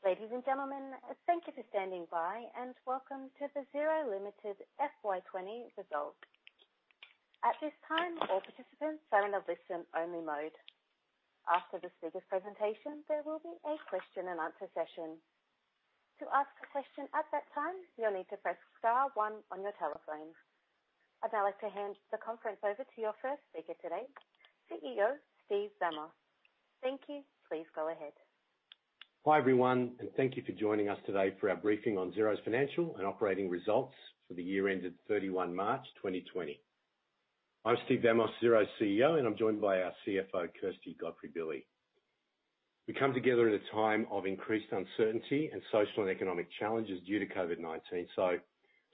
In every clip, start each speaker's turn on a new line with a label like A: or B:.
A: Ladies and gentlemen, thank you for standing by, and welcome to the Xero Limited FY2020 result. At this time, all participants are in a listen-only mode. After the speaker's presentation, there will be a question and answer session. To ask a question at that time, you will need to press star one on your telephone. I would now like to hand the conference over to your first speaker today, CEO, Steve Vamos. Thank you. Please go ahead.
B: Thank you for joining us today for our briefing on Xero's financial and operating results for the year ended 31 March 2020. I'm Steve Vamos, Xero's CEO, I'm joined by our CFO, Kirsty Godfrey-Billy. We come together at a time of increased uncertainty and social and economic challenges due to COVID-19.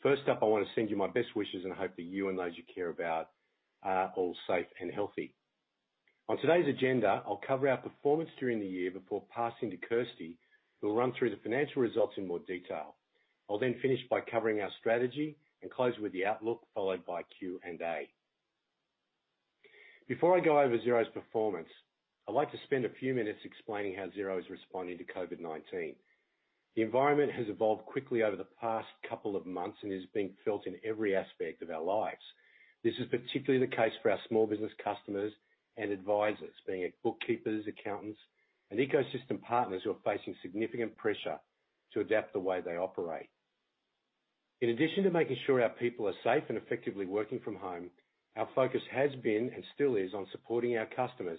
B: First up, I want to send you my best wishes and hope that you and those you care about are all safe and healthy. On today's agenda, I'll cover our performance during the year before passing to Kirsty, who will run through the financial results in more detail. I'll finish by covering our strategy and close with the outlook, followed by Q&A. Before I go over Xero's performance, I'd like to spend a few minutes explaining how Xero is responding to COVID-19. The environment has evolved quickly over the past couple of months and is being felt in every aspect of our lives. This is particularly the case for our small business customers and advisors, being it bookkeepers, accountants, and ecosystem partners who are facing significant pressure to adapt the way they operate. In addition to making sure our people are safe and effectively working from home, our focus has been, and still is, on supporting our customers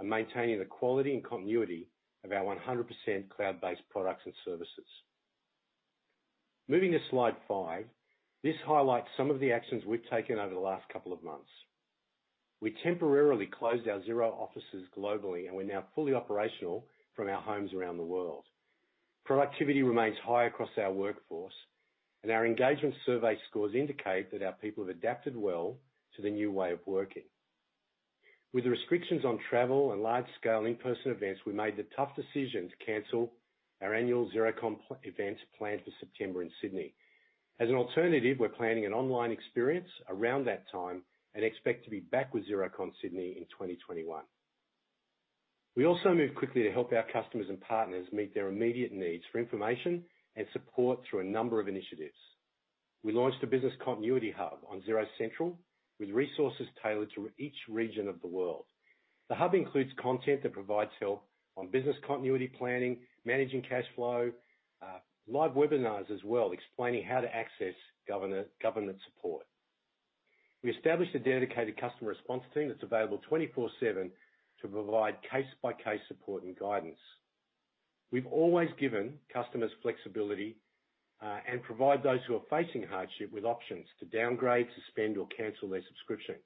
B: and maintaining the quality and continuity of our 100% cloud-based products and services. Moving to slide five, this highlights some of the actions we've taken over the last couple of months. We temporarily closed our Xero offices globally, and we're now fully operational from our homes around the world. Productivity remains high across our workforce, and our engagement survey scores indicate that our people have adapted well to the new way of working. With the restrictions on travel and large-scale in-person events, we made the tough decision to cancel our annual Xerocon event planned for September in Sydney. As an alternative, we're planning an online experience around that time and expect to be back with Xerocon Sydney in 2021. We also moved quickly to help our customers and partners meet their immediate needs for information and support through a number of initiatives. We launched a Business Continuity Hub on Xero Central with resources tailored to each region of the world. The hub includes content that provides help on business continuity planning, managing cash flow, live webinars as well, explaining how to access government support. We established a dedicated customer response team that's available 24/7 to provide case-by-case support and guidance. We've always given customers flexibility, and provide those who are facing hardship with options to downgrade, suspend, or cancel their subscriptions.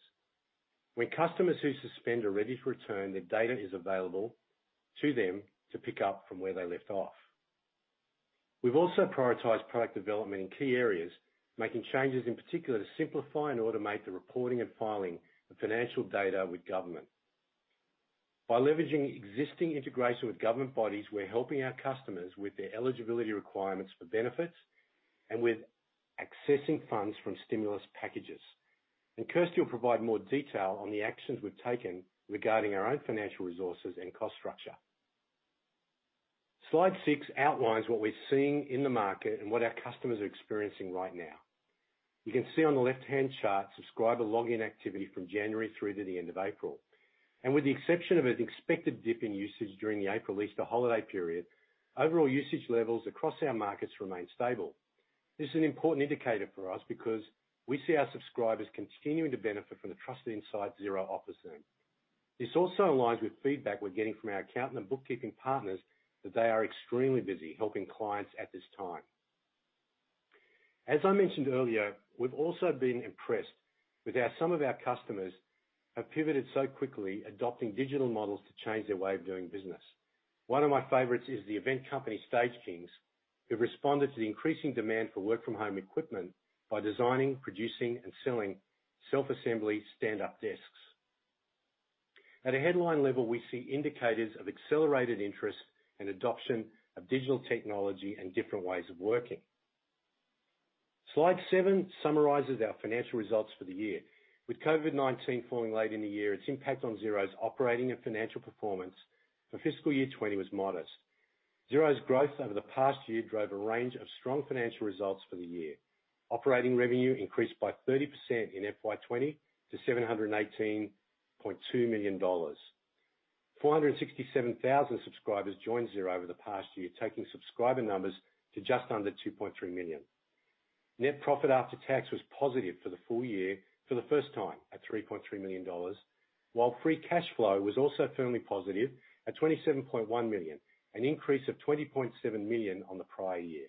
B: When customers who suspend are ready to return, their data is available to them to pick up from where they left off. We've also prioritized product development in key areas, making changes in particular to simplify and automate the reporting and filing of financial data with government. By leveraging existing integration with government bodies, we're helping our customers with their eligibility requirements for benefits and with accessing funds from stimulus packages. Kirsty will provide more detail on the actions we've taken regarding our own financial resources and cost structure. Slide six outlines what we're seeing in the market and what our customers are experiencing right now. You can see on the left-hand chart, subscriber login activity from January through to the end of April. With the exception of an expected dip in usage during the April Easter holiday period, overall usage levels across our markets remain stable. This is an important indicator for us because we see our subscribers continuing to benefit from the trusted insight Xero offers them. This also aligns with feedback we're getting from our accountant and bookkeeping partners that they are extremely busy helping clients at this time. As I mentioned earlier, we've also been impressed with how some of our customers have pivoted so quickly, adopting digital models to change their way of doing business. One of my favorites is the event company Stagekings, who responded to the increasing demand for work from home equipment by designing, producing, and selling self-assembly standup desks. At a headline level, we see indicators of accelerated interest and adoption of digital technology and different ways of working. Slide seven summarizes our financial results for the year. With COVID-19 falling late in the year, its impact on Xero's operating and financial performance for fiscal year 2020 was modest. Xero's growth over the past year drove a range of strong financial results for the year. Operating revenue increased by 30% in FY 2020 - 718.2 million dollars. 467,000 subscribers joined Xero over the past year, taking subscriber numbers to just under 2.3 million. Net profit after tax was positive for the full year for the first time at 3.3 million dollars, while free cash flow was also firmly positive at 27.1 million, an increase of 20.7 million on the prior year.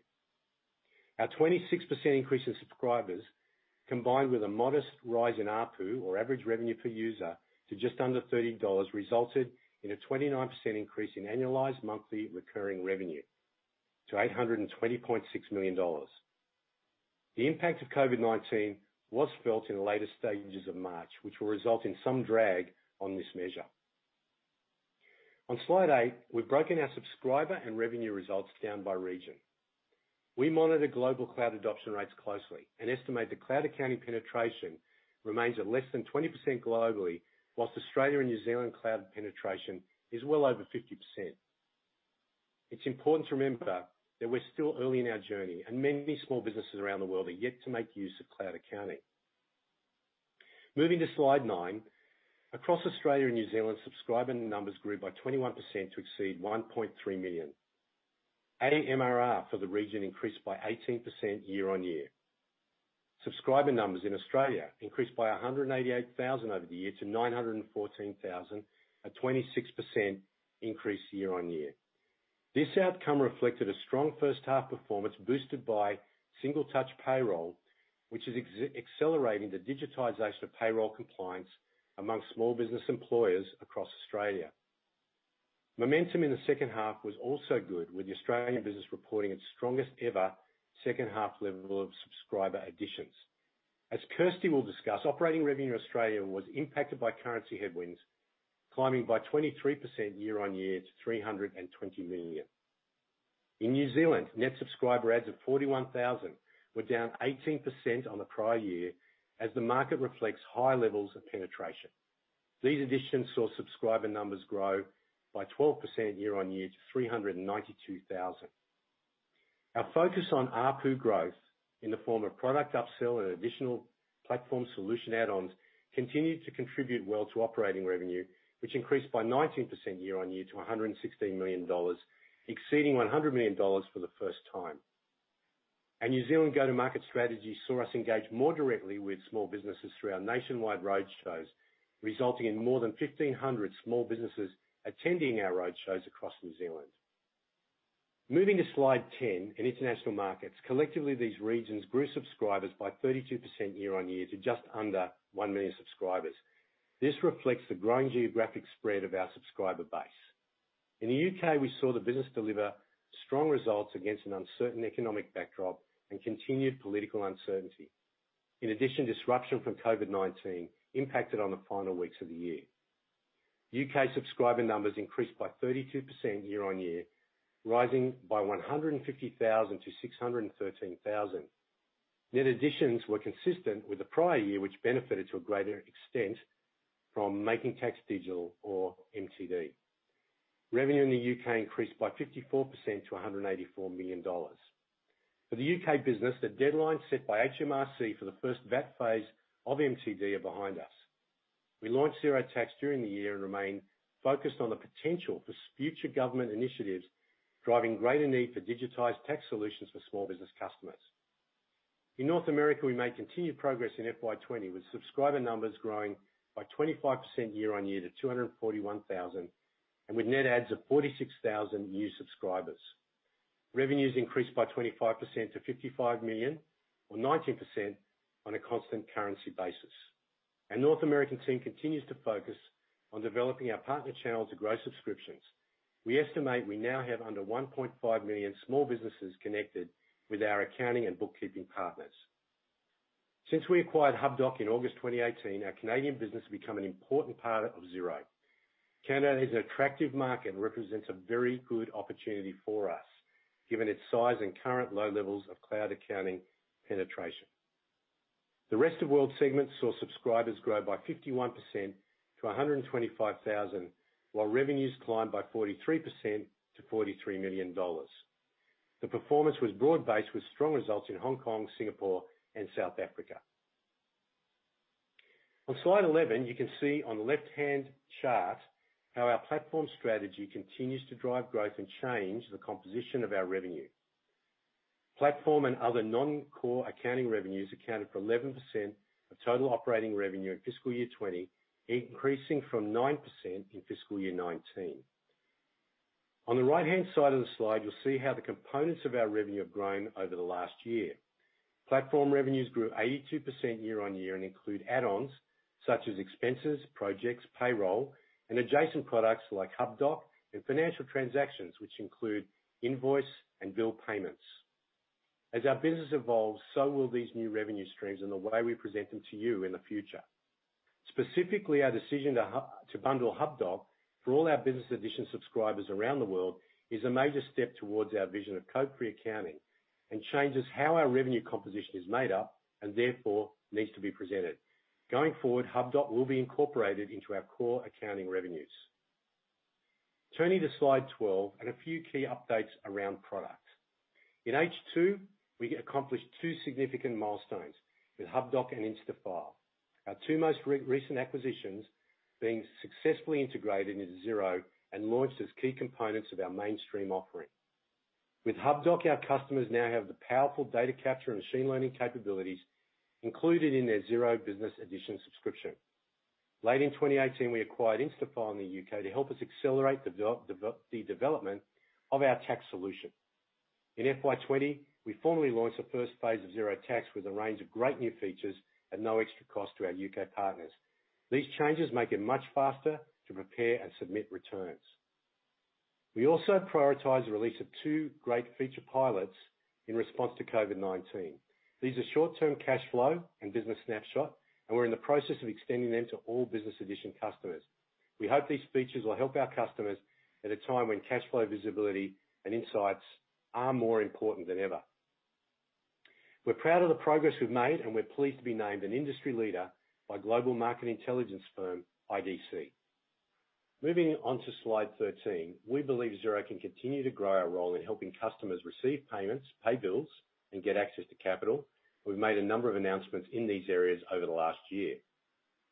B: Our 26% increase in subscribers combined with a modest rise in ARPU, or average revenue per user, to just under 30 dollars, resulted in a 29% increase in annualized monthly recurring revenue to 820.6 million dollars. The impact of COVID-19 was felt in the later stages of March, which will result in some drag on this measure. On slide eight, we've broken our subscriber and revenue results down by region. We monitor global cloud adoption rates closely and estimate that cloud accounting penetration remains at less than 20% globally, whilst Australia and New Zealand cloud penetration is well over 50%. It's important to remember that we're still early in our journey and many small businesses around the world are yet to make use of cloud accounting. Moving to slide nine. Across Australia and New Zealand, subscriber numbers grew by 21% to exceed 1.3 million. AMRR for the region increased by 18% year-on-year. Subscriber numbers in Australia increased by 188,000 over the year to 914,000, a 26% increase year-on-year. This outcome reflected a strong first half performance boosted by Single Touch Payroll, which is accelerating the digitization of payroll compliance among small business employers across Australia. Momentum in the second half was also good, with the Australian business reporting its strongest ever second half level of subscriber additions. As Kirsty will discuss, operating revenue in Australia was impacted by currency headwinds, climbing by 23% year-on-year to 320 million. In New Zealand, net subscriber adds of 41,000 were down 18% on the prior year as the market reflects high levels of penetration. These additions saw subscriber numbers grow by 12% year-on-year to 392,000. Our focus on ARPU growth in the form of product upsell and additional platform solution add-ons continued to contribute well to operating revenue, which increased by 19% year-on-year to 116 million dollars, exceeding 100 million dollars for the first time. Our New Zealand go-to-market strategy saw us engage more directly with small businesses through our nationwide roadshows, resulting in more than 1,500 small businesses attending our roadshows across New Zealand. Moving to slide 10. In international markets, collectively, these regions grew subscribers by 32% year on year to just under 1 million subscribers. This reflects the growing geographic spread of our subscriber base. In the U.K., we saw the business deliver strong results against an uncertain economic backdrop and continued political uncertainty. In addition, disruption from COVID-19 impacted on the final weeks of the year. U.K. subscriber numbers increased by 32% year on year, rising by 150,000 - 613,000. Net additions were consistent with the prior year, which benefited to a greater extent from Making Tax Digital or MTD. Revenue in the U.K. increased by 54 to 184 million dollars. For the U.K. business, the deadlines set by HMRC for the first VAT phase of MTD are behind us. We launched Xero Tax during the year and remain focused on the potential for future government initiatives, driving greater need for digitized tax solutions for small business customers. In North America, we made continued progress in FY 2020, with subscriber numbers growing by 25% year-on-year to 241,000, and with net adds of 46,000 new subscribers. Revenues increased by 25% - 55 million or 19% on a constant currency basis. Our North American team continues to focus on developing our partner channels to grow subscriptions. We estimate we now have under 1.5 million small businesses connected with our accounting and bookkeeping partners. Since we acquired Hubdoc in August 2018, our Canadian business has become an important part of Xero. Canada is an attractive market and represents a very good opportunity for us, given its size and current low levels of cloud accounting penetration. The rest of world segments saw subscribers grow by 51% - 25,000, while revenues climbed by 43% - 43 million dollars. The performance was broad-based with strong results in Hong Kong, Singapore, and South Africa. On slide 11, you can see on the left-hand chart how our platform strategy continues to drive growth and change the composition of our revenue. Platform and other non-core accounting revenues accounted for 11% of total operating revenue in fiscal year '20, increasing from 9% in fiscal year '19. On the right-hand side of the slide, you'll see how the components of our revenue have grown over the last year. Platform revenues grew 82% year-over-year and include add-ons such as expenses, projects, payroll, and adjacent products like Hubdoc and financial transactions, which include invoice and bill payments. As our business evolves, so will these new revenue streams and the way we present them to you in the future. Specifically, our decision to bundle Hubdoc for all our business edition subscribers around the world is a major step towards our vision of code-free accounting and changes how our revenue composition is made up and therefore needs to be presented. Going forward, Hubdoc will be incorporated into our core accounting revenues. Turning to slide 12 and a few key updates around products. In H2, we accomplished two significant milestones with Hubdoc and Instafile. Our two most recent acquisitions being successfully integrated into Xero and launched as key components of our mainstream offering. With Hubdoc, our customers now have the powerful data capture and machine learning capabilities included in their Xero business edition subscription. Late in 2018, we acquired Instafile in the U.K. to help us accelerate the development of our tax solution. In FY 2020, we formally launched the first phase of Xero Tax with a range of great new features at no extra cost to our U.K. partners. These changes make it much faster to prepare and submit returns. We also prioritized the release of two great feature pilots in response to COVID-19. These are Short-term Cash Flow and Business Snapshot, and we're in the process of extending them to all business edition customers. We hope these features will help our customers at a time when cash flow visibility and insights are more important than ever. We're proud of the progress we've made, and we're pleased to be named an industry leader by global market intelligence firm, IDC. Moving on to slide 13. We believe Xero can continue to grow our role in helping customers receive payments, pay bills, and get access to capital. We've made a number of announcements in these areas over the last year.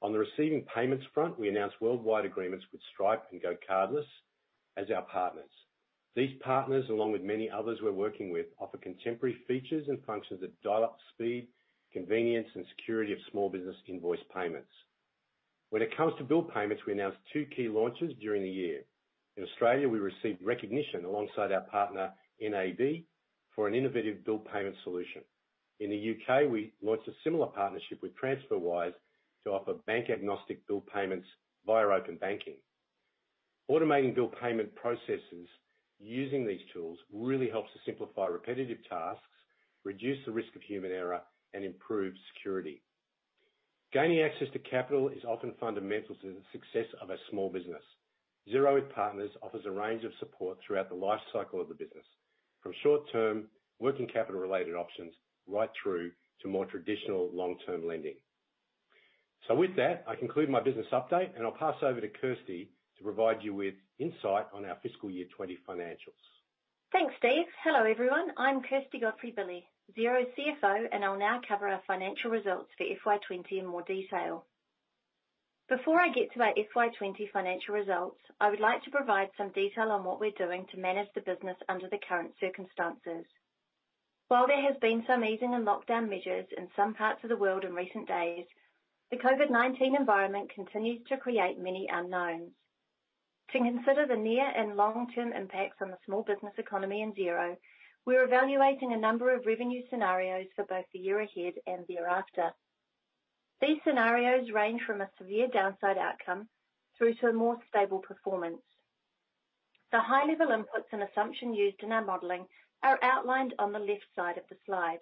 B: On the receiving payments front, we announced worldwide agreements with Stripe and Go Cardless as our partners. These partners, along with many others we're working with, offer contemporary features and functions that dial up speed, convenience, and security of small business invoice payments. When it comes to bill payments, we announced two key launches during the year. In Australia, we received recognition alongside our partner, NAB, for an innovative bill payment solution. In the U.K., we launched a similar partnership with TransferWise to offer bank-agnostic bill payments via open banking. Automating bill payment processes using these tools really helps to simplify repetitive tasks, reduce the risk of human error, and improve security. Gaining access to capital is often fundamental to the success of a small business. Xero, with partners, offers a range of support throughout the life cycle of the business, from short-term working capital-related options right through to more traditional long-term lending. With that, I conclude my business update, and I'll pass over to Kirsty to provide you with insight on our FY 2020 financials.
C: Thanks, Steve. Hello, everyone. I'm Kirsty Godfrey-Billy, Xero's CFO, and I'll now cover our financial results for FY2020 in more detail. Before I get to our FY2020 financial results, I would like to provide some detail on what we're doing to manage the business under the current circumstances. While there has been some easing in lockdown measures in some parts of the world in recent days, the COVID-19 environment continues to create many unknowns. To consider the near and long-term impacts on the small business economy and Xero, we're evaluating a number of revenue scenarios for both the year ahead and thereafter. These scenarios range from a severe downside outcome through to a more stable performance. The high-level inputs and assumption used in our modeling are outlined on the left side of the slide.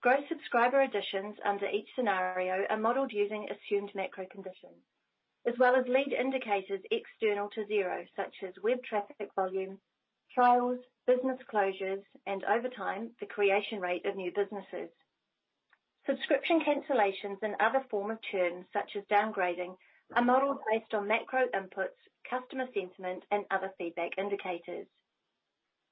C: Gross subscriber additions under each scenario are modeled using assumed macro conditions, as well as lead indicators external to Xero, such as web traffic volume, trials, business closures, and over time, the creation rate of new businesses. Subscription cancellations and other form of churn, such as downgrading, are modeled based on macro inputs, customer sentiment, and other feedback indicators.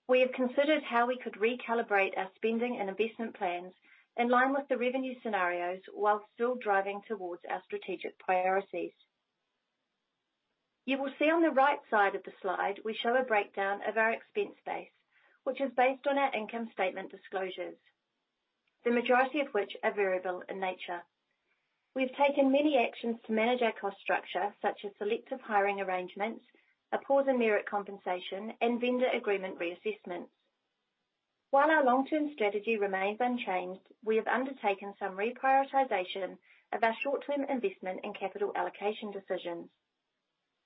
C: We have considered how we could recalibrate our spending and investment plans in line with the revenue scenarios, while still driving towards our strategic priorities. You will see on the right side of the slide, we show a breakdown of our expense base, which is based on our income statement disclosures, the majority of which are variable in nature. We've taken many actions to manage our cost structure, such as selective hiring arrangements, a pause in merit compensation, and vendor agreement reassessments. While our long-term strategy remains unchanged, we have undertaken some reprioritization of our short-term investment and capital allocation decisions.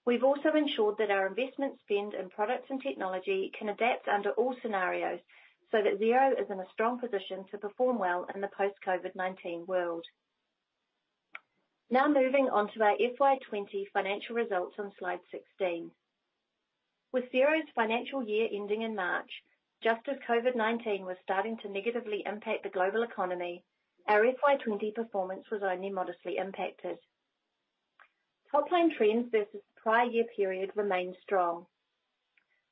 C: We've also ensured that our investment spend in products and technology can adapt under all scenarios, so that Xero is in a strong position to perform well in the post-COVID-19 world. Moving on to our FY2020 financial results on slide 16. With Xero's financial year ending in March, just as COVID-19 was starting to negatively impact the global economy, our FY2020 performance was only modestly impacted. Top line trends versus the prior year period remained strong,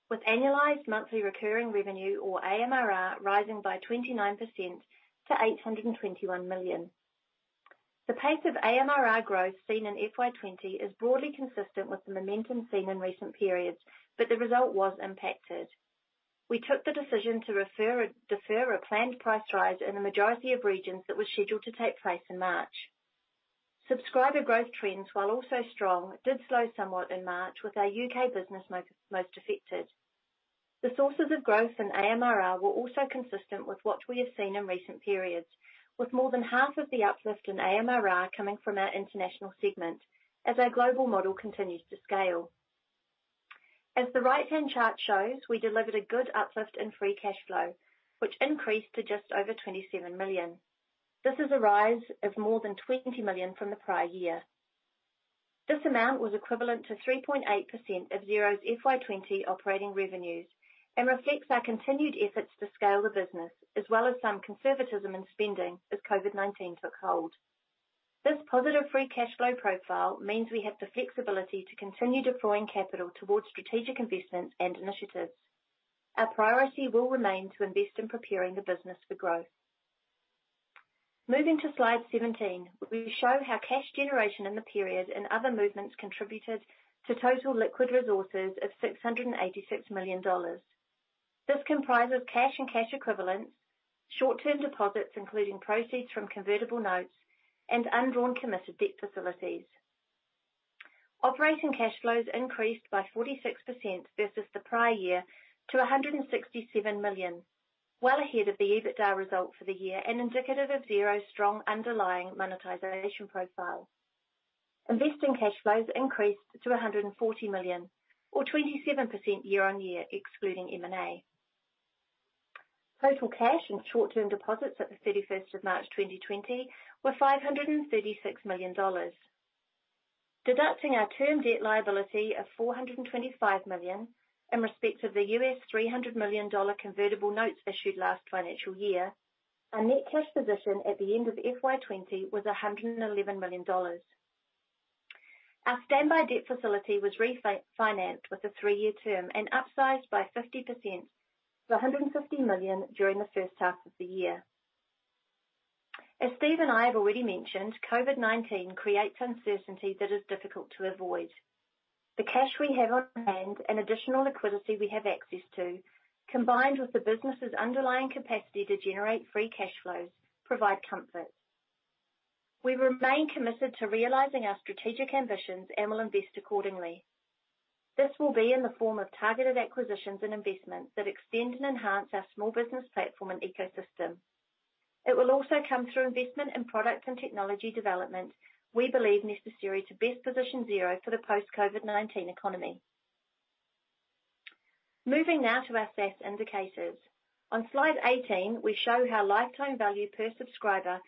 C: with annualized monthly recurring revenue, or AMRR, rising by 29% - 821 million. The pace of AMRR growth seen in FY2020 is broadly consistent with the momentum seen in recent periods, the result was impacted. We took the decision to defer a planned price rise in the majority of regions that were scheduled to take place in March. Subscriber growth trends, while also strong, did slow somewhat in March, with our U.K. business most affected. The sources of growth in AMRR were also consistent with what we have seen in recent periods, with more than half of the uplift in AMRR coming from our international segment as our global model continues to scale. As the right-hand chart shows, we delivered a good uplift in free cash flow, which increased to just over 27 million. This is a rise of more than 20 million from the prior year. This amount was equivalent to 3.8% of Xero's FY 2020 operating revenues and reflects our continued efforts to scale the business, as well as some conservatism in spending as COVID-19 took hold. This positive free cash flow profile means we have the flexibility to continue deploying capital towards strategic investments and initiatives. Our priority will remain to invest in preparing the business for growth. Moving to slide 17, we show how cash generation in the period and other movements contributed to total liquid resources of 686 million dollars. This comprises cash and cash equivalents, short-term deposits, including proceeds from convertible notes, and undrawn committed debt facilities. Operating cash flows increased by 46% versus the prior year to 167 million, well ahead of the EBITDA result for the year and indicative of Xero's strong underlying monetization profile. Investing cash flows increased to 140 million or 27% year-on-year, excluding M&A. Total cash and short-term deposits at the 31st of March 2020 were 536 million dollars. Deducting our term debt liability of 425 million in respect of the $300 million convertible notes issued last financial year, our net cash position at the end of FY 2020 was 111 million dollars. Our standby debt facility was refinanced with a three-year term and upsized by 50% - 150 million during the first half of the year. As Steve and I have already mentioned, COVID-19 creates uncertainty that is difficult to avoid. The cash we have on hand and additional liquidity we have access to, combined with the business's underlying capacity to generate free cash flows, provide comfort. We remain committed to realizing our strategic ambitions and will invest accordingly. This will be in the form of targeted acquisitions and investments that extend and enhance our small business platform and ecosystem. It will also come through investment in product and technology development we believe necessary to best position Xero for the post-COVID-19 economy. Moving now to our SaaS indicators. On slide 18, we show how lifetime value per subscriber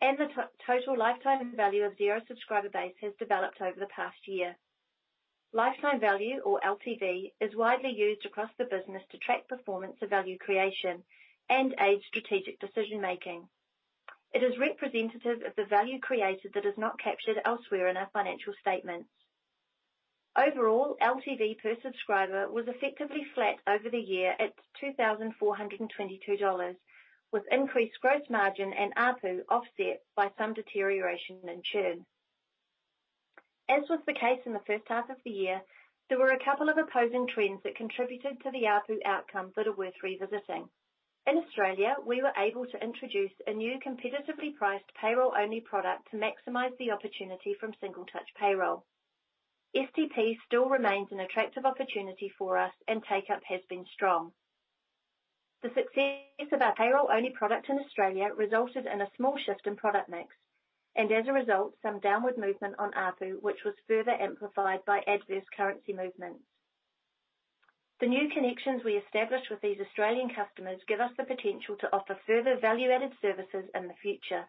C: and the total lifetime value of Xero's subscriber base has developed over the past year. Lifetime value or LTV is widely used across the business to track performance of value creation and aid strategic decision-making. It is representative of the value created that is not captured elsewhere in our financial statements. Overall, LTV per subscriber was effectively flat over the year at 2,422 dollars, with increased gross margin and ARPU offset by some deterioration in churn. As was the case in the first half of the year, there were a couple of opposing trends that contributed to the ARPU outcome that are worth revisiting. In Australia, we were able to introduce a new competitively priced payroll-only product to maximize the opportunity from Single Touch Payroll. STP still remains an attractive opportunity for us and take-up has been strong. The success of our payroll-only product in Australia resulted in a small shift in product mix and as a result, some downward movement on ARPU, which was further amplified by adverse currency movements. The new connections we established with these Australian customers give us the potential to offer further value-added services in the future.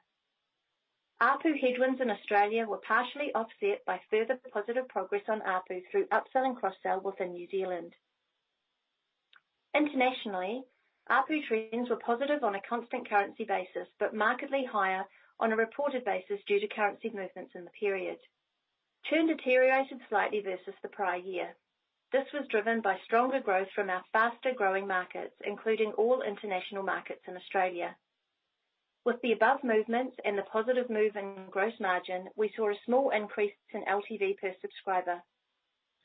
C: ARPU headwinds in Australia were partially offset by further positive progress on ARPU through upsell and cross-sell within New Zealand. Internationally, ARPU trends were positive on a constant currency basis, but markedly higher on a reported basis due to currency movements in the period. Churn deteriorated slightly versus the prior year. This was driven by stronger growth from our faster-growing markets, including all international markets in Australia. With the above movements and the positive move in gross margin, we saw a small increase in LTV per subscriber.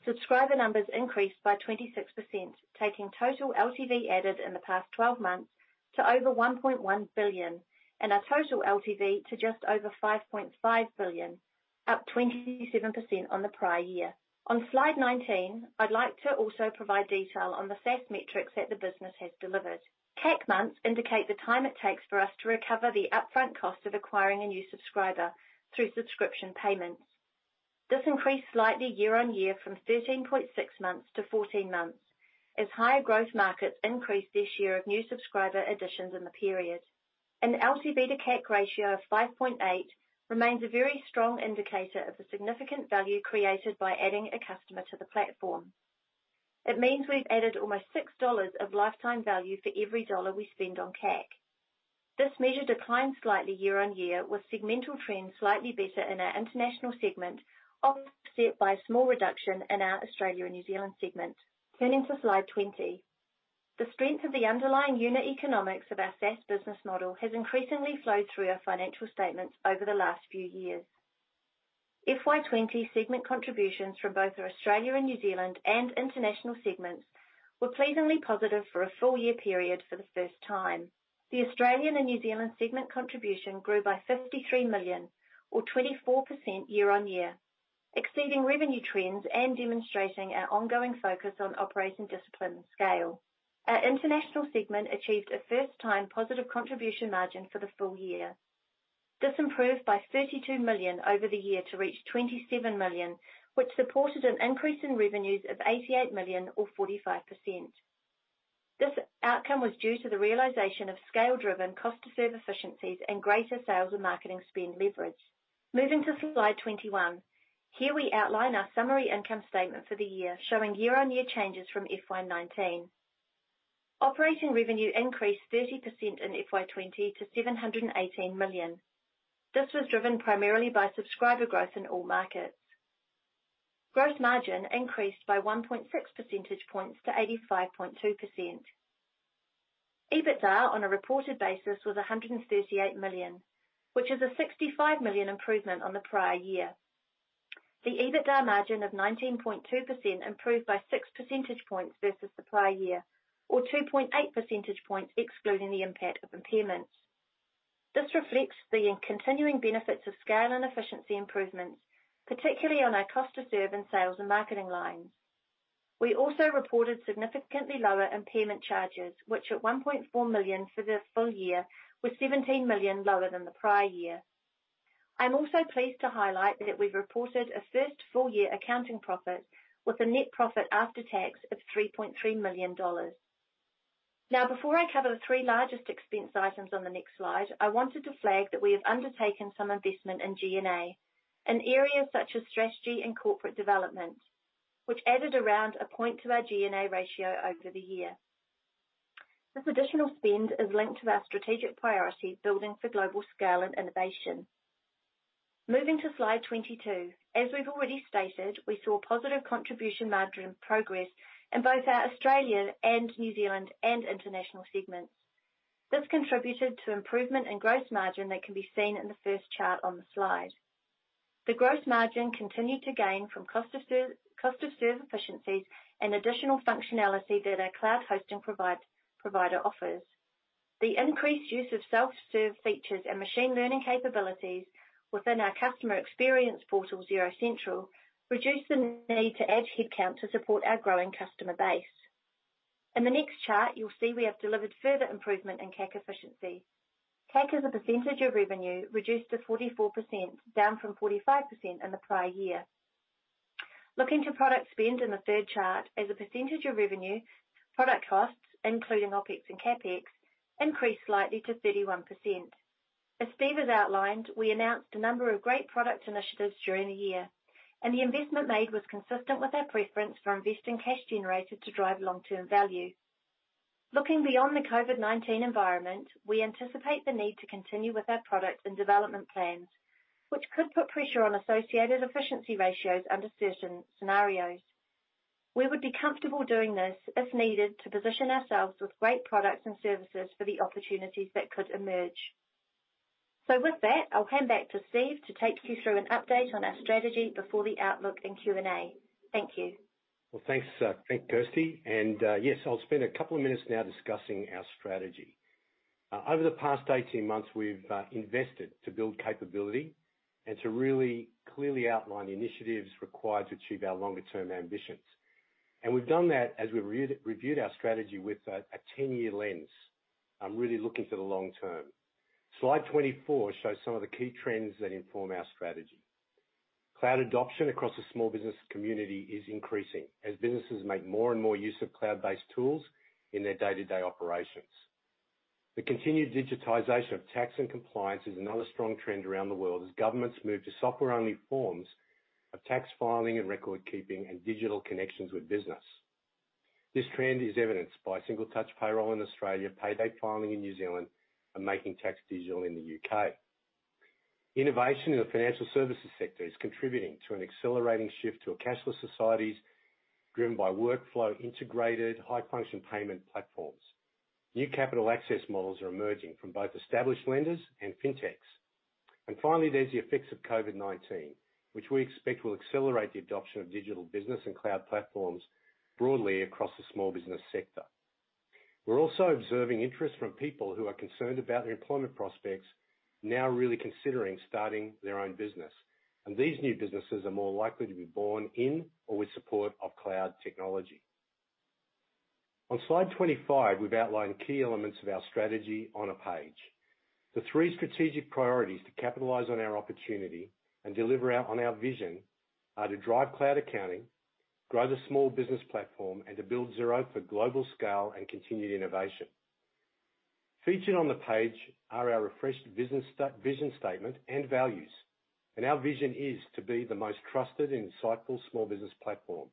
C: Subscriber numbers increased by 26%, taking total LTV added in the past 12 months to over 1.1 billion and our total LTV to just over 5.5 billion, up 27% on the prior year. On slide 19, I'd like to also provide detail on the SaaS metrics that the business has delivered. CAC months indicate the time it takes for us to recover the upfront cost of acquiring a new subscriber through subscription payments. This increased slightly year-over-year from 13.6 months - 14 months, as higher growth markets increased their share of new subscriber additions in the period. An LTV to CAC ratio of 5.8 remains a very strong indicator of the significant value created by adding a customer to the platform. It means we've added almost NZD six of lifetime value for every dollar we spend on CAC. This measure declined slightly year-on-year, with segmental trends slightly better in our International Segment, offset by a small reduction in our Australia and New Zealand Segment. Turning to slide 20. The strength of the underlying unit economics of our SaaS business model has increasingly flowed through our financial statements over the last few years. FY 2020 segment contributions from both our Australia and New Zealand Segment and International Segments were pleasingly positive for a full year period for the first time. The Australia and New Zealand Segment contribution grew by 53 million or 24% year-on-year, exceeding revenue trends and demonstrating our ongoing focus on operating discipline and scale. Our international segment achieved a first-time positive contribution margin for the full year. This improved by 32 million over the year to reach 27 million, which supported an increase in revenues of 88 million or 45%. This outcome was due to the realization of scale-driven cost to serve efficiencies and greater sales and marketing spend leverage. Moving to slide 21. Here we outline our summary income statement for the year, showing year-over-year changes from FY 2019. Operating revenue increased 30% in FY 2020 - 718 million. This was driven primarily by subscriber growth in all markets. Gross margin increased by 1.6 percentage points - 85.2%. EBITDA on a reported basis was 138 million, which is a 65 million improvement on the prior year. The EBITDA margin of 19.2% improved by six percentage points versus the prior year or 2.8 percentage points excluding the impact of impairments. This reflects the continuing benefits of scale and efficiency improvements, particularly on our cost to serve and sales and marketing lines. We also reported significantly lower impairment charges, which at 1.4 million for the full year, were 17 million lower than the prior year. I'm also pleased to highlight that we've reported a first full-year accounting profit with a net profit after tax of 3.3 million dollars. Before I cover the three largest expense items on the next slide, I wanted to flag that we have undertaken some investment in G&A, in areas such as strategy and corporate development, which added around a point to our G&A ratio over the year. This additional spend is linked to our strategic priority, building for global scale and innovation. Moving to slide 22. As we've already stated, we saw positive contribution margin progress in both our Australia and New Zealand and international segments. This contributed to improvement in gross margin that can be seen in the first chart on the slide. The gross margin continued to gain from cost of serve efficiencies and additional functionality that our cloud hosting provider offers. The increased use of self-serve features and machine learning capabilities within our customer experience portal, Xero Central, reduced the need to add headcount to support our growing customer base. In the next chart, you'll see we have delivered further improvement in CAC efficiency. CAC as a percentage of revenue reduced to 44%, down from 45% in the prior year. Looking to product spend in the third chart as a percentage of revenue, product costs, including OpEx and CapEx, increased slightly to 31%. As Steve has outlined, we announced a number of great product initiatives during the year, and the investment made was consistent with our preference for investing cash generated to drive long-term value. Looking beyond the COVID-19 environment, we anticipate the need to continue with our product and development plans, which could put pressure on associated efficiency ratios under certain scenarios. We would be comfortable doing this, if needed, to position ourselves with great products and services for the opportunities that could emerge. With that, I'll hand back to Steve to take you through an update on our strategy before the outlook and Q&A. Thank you.
B: Well, thanks, Kirsty. Yes, I'll spend a couple of minutes now discussing our strategy. Over the past 18 months, we've invested to build capability and to really clearly outline the initiatives required to achieve our longer-term ambitions. We've done that as we reviewed our strategy with a 10-year lens, really looking for the long term. Slide 24 shows some of the key trends that inform our strategy. Cloud adoption across the small business community is increasing as businesses make more and more use of cloud-based tools in their day-to-day operations. The continued digitization of tax and compliance is another strong trend around the world as governments move to software-only forms of tax filing and record-keeping and digital connections with business. This trend is evidenced by Single Touch Payroll in Australia, payday filing in New Zealand, and Making Tax Digital in the U.K. Innovation in the financial services sector is contributing to an accelerating shift to a cashless societies driven by workflow integrated high-function payment platforms. New capital access models are emerging from both established lenders and fintechs. Finally, there's the effects of COVID-19, which we expect will accelerate the adoption of digital business and cloud platforms broadly across the small business sector. We're also observing interest from people who are concerned about their employment prospects now really considering starting their own business. These new businesses are more likely to be born in or with support of cloud technology. On slide 25, we've outlined key elements of our strategy on a page. The three strategic priorities to capitalize on our opportunity and deliver on our vision are to drive cloud accounting, grow the small business platform, and to build Xero for global scale and continued innovation. Featured on the page are our refreshed vision statement and values, and our vision is to be the most trusted and insightful small business platform.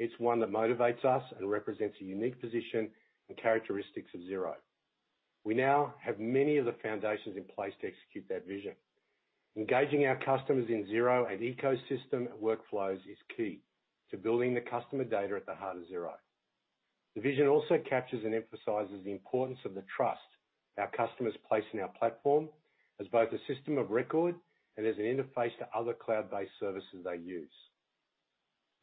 B: It's one that motivates us and represents a unique position and characteristics of Xero. We now have many of the foundations in place to execute that vision. Engaging our customers in Xero and ecosystem workflows is key to building the customer data at the heart of Xero. The vision also captures and emphasizes the importance of the trust our customers place in our platform as both a system of record and as an interface to other cloud-based services they use.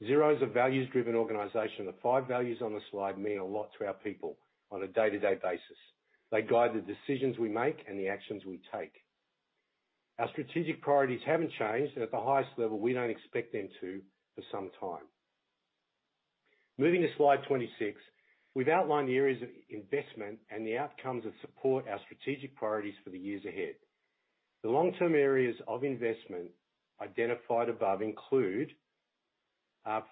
B: Xero is a values-driven organization. The five values on the slide mean a lot to our people on a day-to-day basis. They guide the decisions we make and the actions we take. Our strategic priorities haven't changed, and at the highest level, we don't expect them to for some time. Moving to slide 26, we've outlined the areas of investment and the outcomes that support our strategic priorities for the years ahead. The long-term areas of investment identified above include,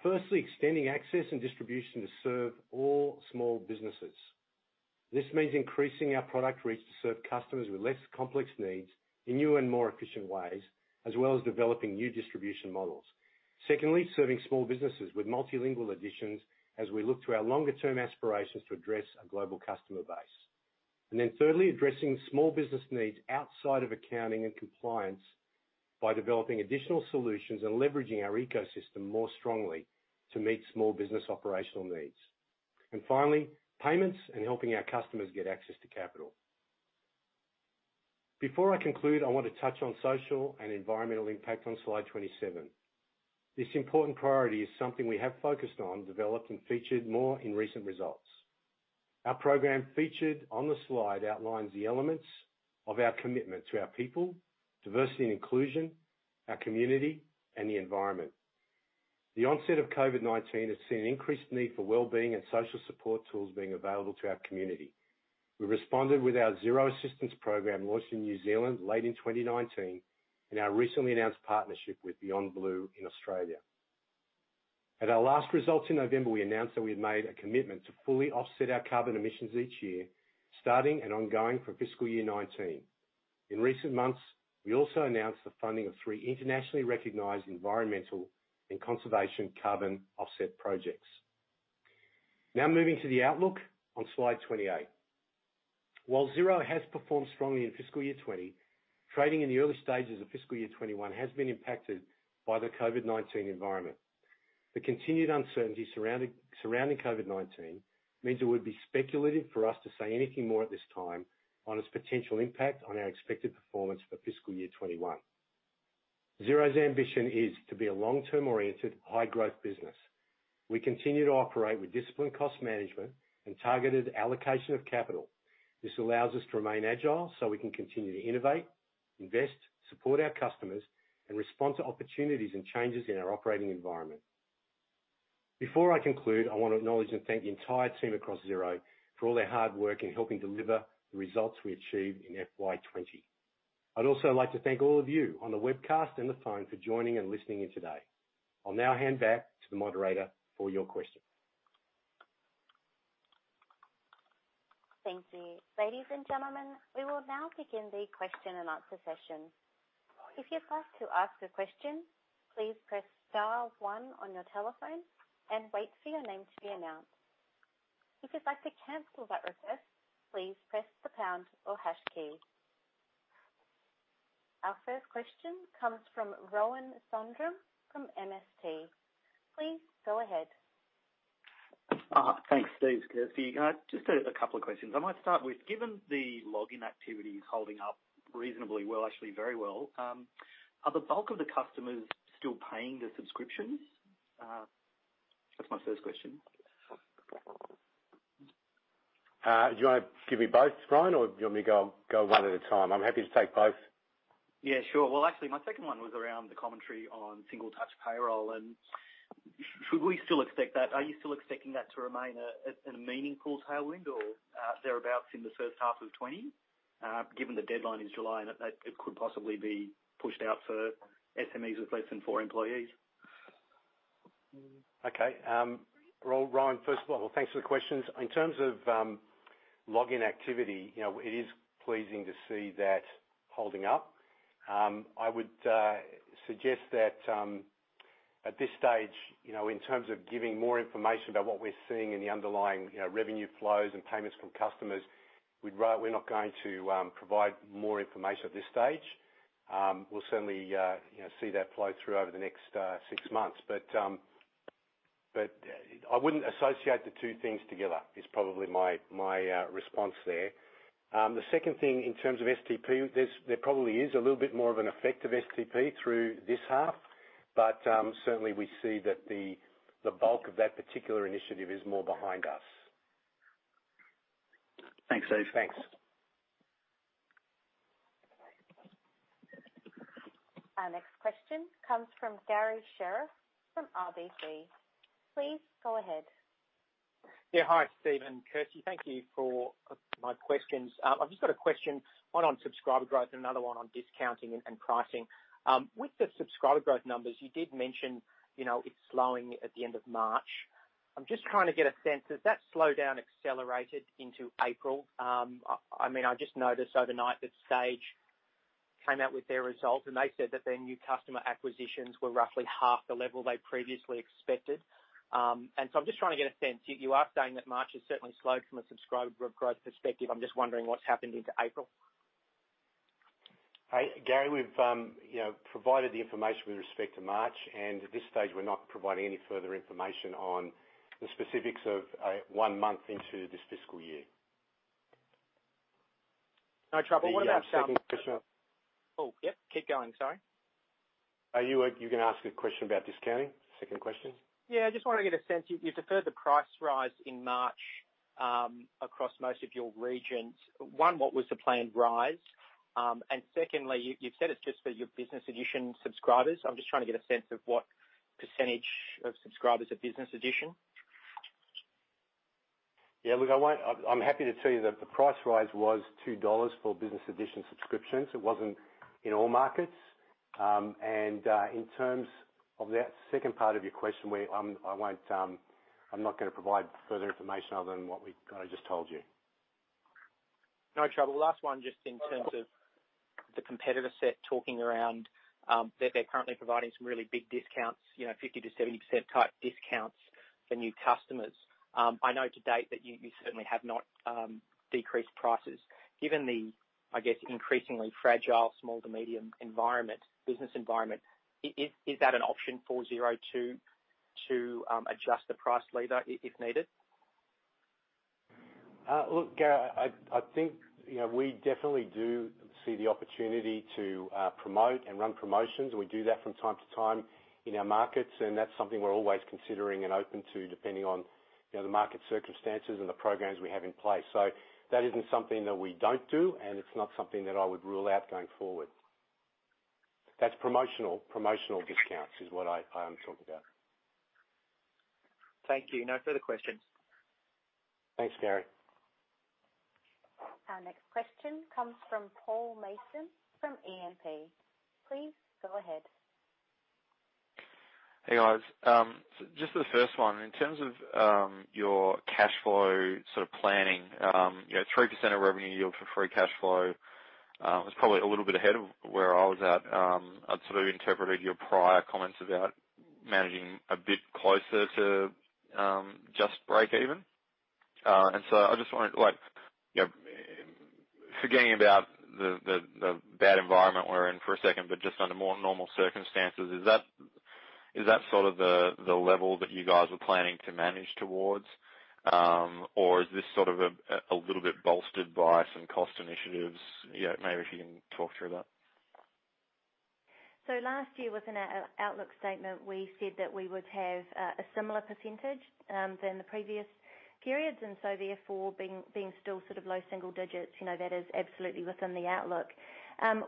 B: firstly, extending access and distribution to serve all small businesses. This means increasing our product reach to serve customers with less complex needs in new and more efficient ways, as well as developing new distribution models. Secondly, serving small businesses with multilingual additions as we look to our longer-term aspirations to address a global customer base. Then thirdly, addressing small business needs outside of accounting and compliance by developing additional solutions and leveraging our ecosystem more strongly to meet small business operational needs. Finally, payments and helping our customers get access to capital. Before I conclude, I want to touch on social and environmental impact on slide 27. This important priority is something we have focused on, developed, and featured more in recent results. Our program featured on the slide outlines the elements of our commitment to our people, diversity and inclusion, our community, and the environment. The onset of COVID-19 has seen increased need for wellbeing and social support tools being available to our community. We responded with our Xero Assistance Programme launched in New Zealand late in 2019, and our recently announced partnership with Beyond Blue in Australia. At our last results in November, we announced that we had made a commitment to fully offset our carbon emissions each year, starting and ongoing for FY2019. In recent months, we also announced the funding of three internationally recognized environmental and conservation carbon offset projects. Now moving to the outlook on slide 28. While Xero has performed strongly in fiscal year 2020, trading in the early stages of fiscal year 2021 has been impacted by the COVID-19 environment. The continued uncertainty surrounding COVID-19 means it would be speculative for us to say anything more at this time on its potential impact on our expected performance for fiscal year 2021. Xero's ambition is to be a long-term oriented, high-growth business. We continue to operate with disciplined cost management and targeted allocation of capital. This allows us to remain agile so we can continue to innovate, invest, support our customers, and respond to opportunities and changes in our operating environment. Before I conclude, I want to acknowledge and thank the entire team across Xero for all their hard work in helping deliver the results we achieved in FY 2020. I'd also like to thank all of you on the webcast and the phone for joining and listening in today. I'll now hand back to the moderator for your questions.
A: Thank you. Ladies and gentlemen, we will now begin the question and answer session. If you'd like to ask a question, please press star one on your telephone and wait for your name to be announced. If you'd like to cancel that request, please press the pound or hash key. Our first question comes from Rohan Sundaram from MST. Please go ahead.
D: Thanks. Steve, Kirsty. Just a couple of questions. I might start with, given the login activity is holding up reasonably well, actually very well, are the bulk of the customers still paying their subscriptions? That is my first question.
B: Do you want to give me both, Rohan? Do you want me to go one at a time? I'm happy to take both.
D: Yeah, sure. Well, actually, my second one was around the commentary on Single Touch Payroll. Are you still expecting that to remain a meaningful tailwind or thereabouts in the first half of 2020? Given the deadline is July, it could possibly be pushed out for SMEs with less than four employees.
B: Okay. Rohan, first of all, thanks for the questions. In terms of login activity, it is pleasing to see that holding up. I would suggest that at this stage, in terms of giving more information about what we're seeing in the underlying revenue flows and payments from customers, we're not going to provide more information at this stage. We'll certainly see that flow through over the next six months. I wouldn't associate the two things together, is probably my response there. The second thing, in terms of STP, there probably is a little bit more of an effect of STP through this half. Certainly, we see that the bulk of that particular initiative is more behind us.
D: Thanks, Steve.
B: Thanks.
A: Our next question comes from Garry Sherriff from RBC. Please go ahead.
E: Hi, Steve and Kirsty. Thank you for my questions. I've just got a question, one on subscriber growth and another one on discounting and pricing. With the subscriber growth numbers, you did mention it's slowing at the end of March. I'm just trying to get a sense. Has that slowdown accelerated into April? I just noticed overnight that Sage came out with their results, and they said that their new customer acquisitions were roughly half the level they previously expected. I'm just trying to get a sense. You are saying that March has certainly slowed from a subscriber growth perspective. I'm just wondering what's happened into April.
B: Hey, Garry. We've provided the information with respect to March, and at this stage, we're not providing any further information on the specifics of one month into this fiscal year.
E: No trouble.
B: The second question.
E: Oh, yep. Keep going. Sorry.
B: You were going to ask a question about discounting? Second question.
E: Yeah, I just want to get a sense. You deferred the price rise in March across most of your regions. One, what was the planned rise? Secondly, you've said it's just for your business edition subscribers. I'm just trying to get a sense of what percentage of subscribers are business edition.
B: Yeah. Look, I'm happy to tell you that the price rise was NZD two for business edition subscriptions. It wasn't in all markets. In terms of that second part of your question, I'm not going to provide further information other than what I just told you.
E: No trouble. Last one, just in terms of the competitor set talking around that they're currently providing some really big discounts, 50%-70% type discounts for new customers. I know to date that you certainly have not decreased prices. Given the, I guess, increasingly fragile small to medium business environment, is that an option for Xero to adjust the price later if needed?
B: Look, Garry, I think we definitely do see the opportunity to promote and run promotions. We do that from time to time in our markets, and that's something we're always considering and open to, depending on the market circumstances and the programs we have in place. That isn't something that we don't do, and it's not something that I would rule out going forward. That's promotional discounts is what I am talking about.
E: Thank you. No further questions.
B: Thanks, Garry.
A: Our next question comes from Paul Mason from E&P. Please go ahead.
F: Hey, guys. Just the first one, in terms of your cash flow planning, 3% of revenue yield for free cash flow, was probably a little bit ahead of where I was at. I'd interpreted your prior comments about managing a bit closer to just break even. I just wanted, forgetting about the bad environment we're in for a second, but just under more normal circumstances, is that the level that you guys were planning to manage towards? Is this a little bit bolstered by some cost initiatives? Maybe if you can talk through that.
C: Last year within our outlook statement, we said that we would have a similar percentage than the previous periods, therefore being still low single digits, that is absolutely within the outlook.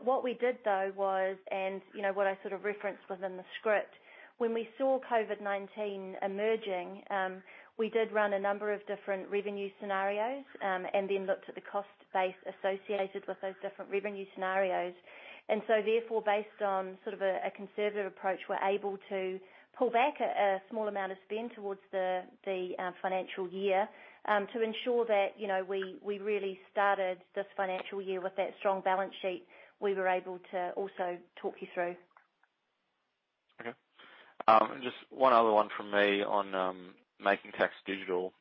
C: What we did though was, and what I referenced within the script, when we saw COVID-19 emerging, we did run a number of different revenue scenarios, then looked at the cost base associated with those different revenue scenarios. Therefore, based on a conservative approach, we're able to pull back a small amount of spend towards the financial year, to ensure that we really started this financial year with that strong balance sheet we were able to also talk you through.
F: Okay. Just one other one from me on Making Tax Digital.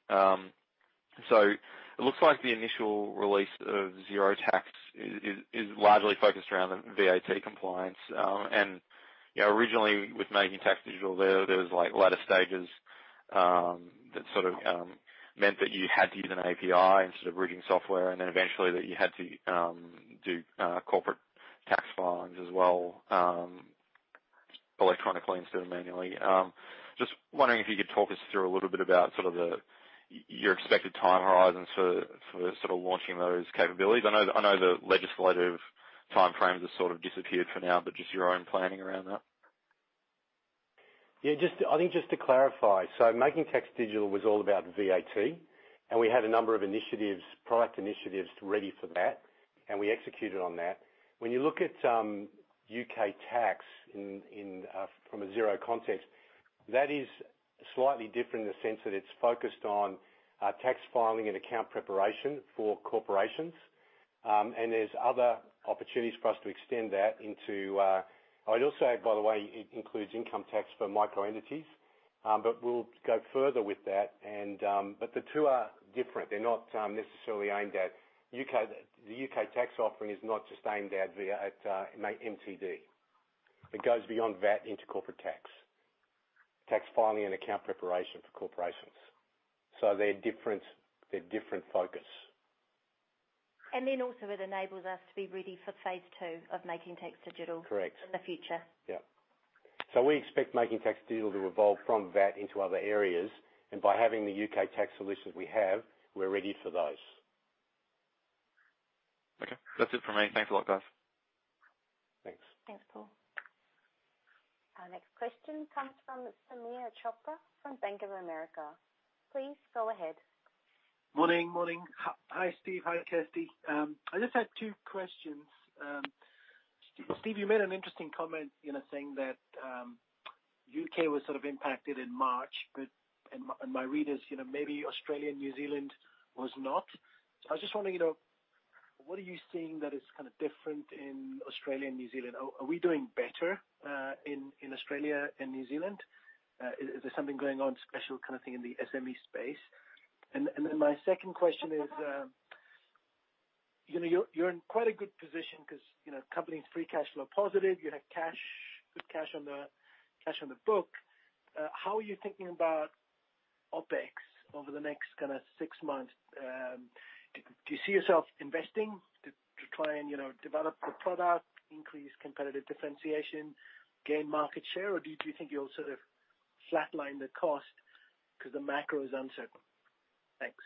F: It looks like the initial release of Xero Tax is largely focused around the VAT compliance. Originally with Making Tax Digital, there was latter stages that meant that you had to use an API instead of reporting software, and then eventually that you had to do corporate tax filings as well, electronically instead of manually. Just wondering if you could talk us through a little bit about your expected time horizons for launching those capabilities. I know the legislative time frames have disappeared for now, but just your own planning around that.
B: Yeah, I think just to clarify, Making Tax Digital was all about VAT, and we had a number of initiatives, product initiatives ready for that, and we executed on that. When you look at U.K. tax from a Xero context, that is slightly different in the sense that it's focused on tax filing and account preparation for corporations. There's other opportunities for us to extend that into I would also add, by the way, it includes income tax for micro entities. We'll go further with that, but the two are different. They're not necessarily aimed at. The U.K. tax offering is not just aimed at MTD. It goes beyond that into corporate tax filing and account preparation for corporations. They're different focus.
C: Also it enables us to be ready for phaseII of Making Tax Digital.
B: Correct
C: in the future.
B: Yeah. We expect Making Tax Digital to evolve from that into other areas. By having the U.K. tax solutions we have, we're ready for those.
F: Okay. That's it from me. Thanks a lot, guys.
B: Thanks.
C: Thanks, Paul.
A: Our next question comes from Sameer Chopra from Bank of America. Please go ahead.
G: Morning. Hi, Steve. Hi, Kirsty. I just had two questions. Steve, you made an interesting comment, saying that U.K. was impacted in March, but in my readings, maybe Australia and New Zealand was not. I was just wondering, what are you seeing that is different in Australia and New Zealand? Are we doing better, in Australia and New Zealand? Is there something going on special kind of thing in the SME space? My second question is, you're in quite a good position because company's free cash flow positive, you have good cash on the book. How are you thinking about OpEx over the next six months? Do you see yourself investing to try and develop the product, increase competitive differentiation, gain market share, or do you think you'll sort of flatline the cost because the macro is uncertain? Thanks.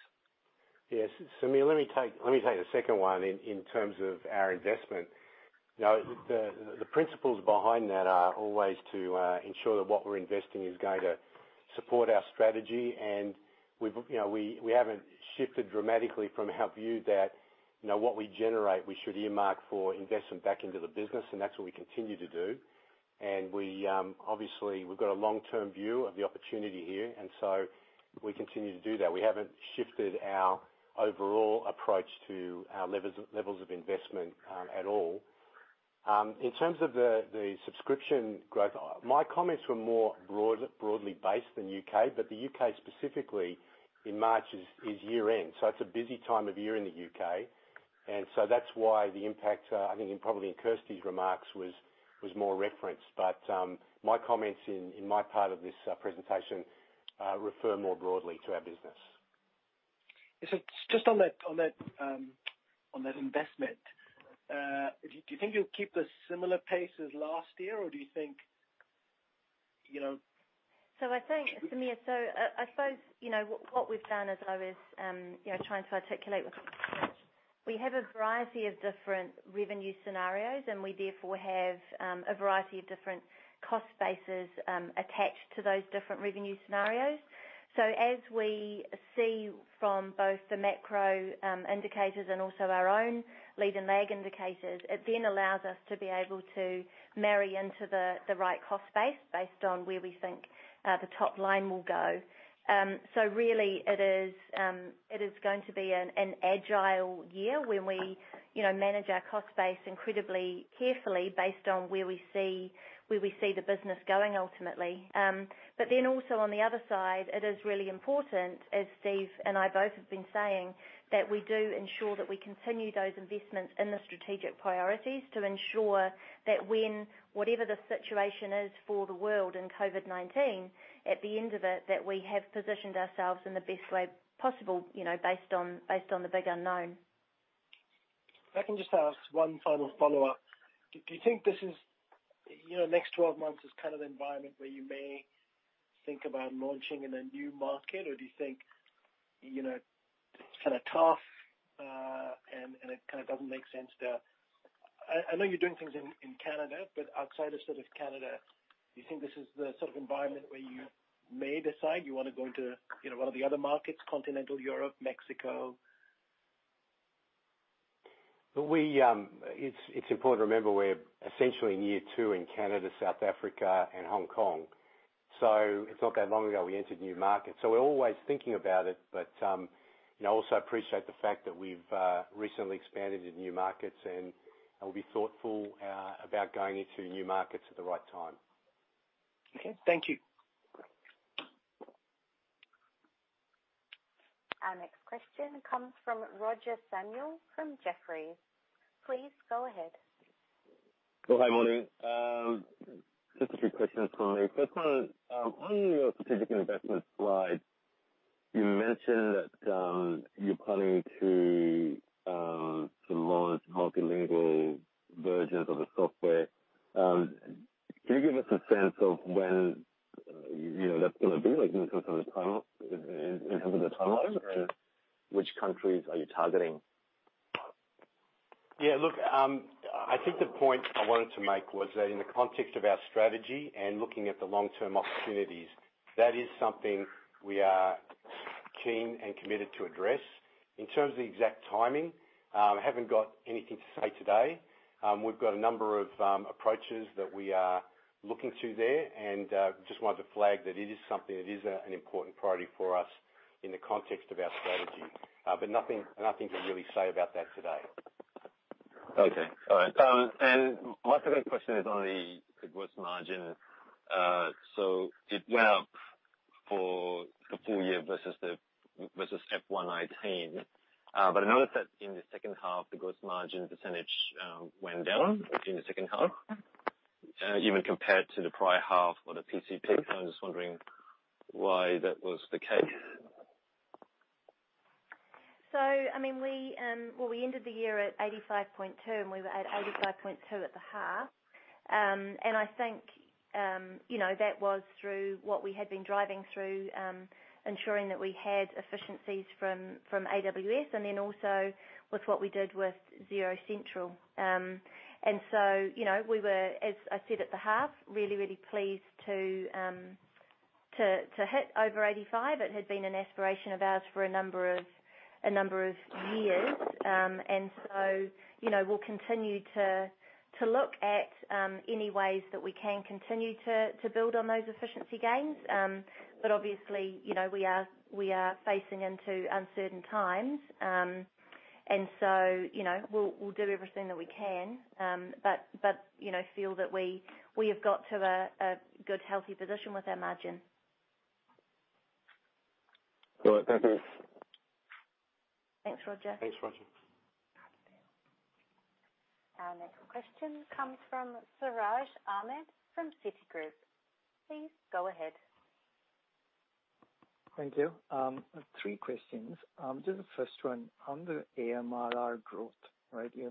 B: Yes. Sameer, let me take the second one in terms of our investment. The principles behind that are always to ensure that what we're investing is going to support our strategy. We haven't shifted dramatically from our view that what we generate, we should earmark for investment back into the business. That's what we continue to do. Obviously, we've got a long-term view of the opportunity here. So we continue to do that. We haven't shifted our overall approach to our levels of investment at all. In terms of the subscription growth, my comments were more broadly based than U.K. But the U.K. specifically in March is year-end. It's a busy time of year in the U.K. That's why the impact, I think probably in Kirsty's remarks was more referenced. My comments in my part of this presentation refer more broadly to our business.
G: Just on that investment, do you think you'll keep a similar pace as last year, or do you think?
C: I think, Sameer, we have a variety of different revenue scenarios, and we therefore have a variety of different cost bases attached to those different revenue scenarios. As we see from both the macro indicators and also our own lead and lag indicators, it then allows us to be able to marry into the right cost base based on where we think the top line will go. Really, it is going to be an agile year where we manage our cost base incredibly carefully based on where we see the business going ultimately. Also on the other side, it is really important, as Steve and I both have been saying, that we do ensure that we continue those investments in the strategic priorities to ensure that when whatever the situation is for the world in COVID-19, at the end of it, that we have positioned ourselves in the best way possible, based on the big unknown.
G: If I can just ask one final follow-up. Do you think this is, next 12 months is kind of the environment where you may think about launching in a new market? Do you think, it's kind of tough, and it kind of doesn't make sense to I know you're doing things in Canada, but outside of sort of Canada, do you think this is the sort of environment where you may decide you want to go into one of the other markets, Continental Europe, Mexico?
B: It's important to remember we're essentially in year two in Canada, South Africa, and Hong Kong. It's not that long ago we entered new markets. We're always thinking about it, but I also appreciate the fact that we've recently expanded into new markets, and we'll be thoughtful about going into new markets at the right time.
G: Okay. Thank you.
A: Our next question comes from Roger Samuel from Jefferies. Please go ahead.
H: Well, hi morning. Just a few questions for me. First one, on your strategic investment slide, you mentioned that you're planning to launch multilingual versions of the software. Can you give us a sense of when that's going to be in terms of the timeline? Which countries are you targeting?
B: I think the point I wanted to make was that in the context of our strategy and looking at the long-term opportunities, that is something we are keen and committed to address. In terms of the exact timing, I haven't got anything to say today. We've got a number of approaches that we are looking to there, and just wanted to flag that it is something that is an important priority for us in the context of our strategy. Nothing to really say about that today.
H: Okay. All right. My second question is on the gross margin. It went up for the full year versus FY2019. I noticed that in the second half, the gross margin percentage went down in the second half, even compared to the prior half or the PCP. I'm just wondering why that was the case.
C: Well, we ended the year at 85.2, we were at 85.2 at the half. I think that was through what we had been driving through ensuring that we had efficiencies from AWS and then also with what we did with Xero Central. We were, as I said at the half, really pleased to hit over 85. It had been an aspiration of ours for a number of years. We'll continue to look at any ways that we can continue to build on those efficiency gains. Obviously, we are facing into uncertain times. We'll do everything that we can, but feel that we have got to a good, healthy position with our margin.
H: All right. Thank you.
C: Thanks, Roger.
B: Thanks, Roger.
A: Our next question comes from Siraj Ahmed from Citigroup. Please go ahead.
I: Thank you. Three questions. Just the first one, on the AMRR growth. You're